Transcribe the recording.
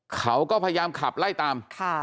เขาก็พยายามขับไล่ตาม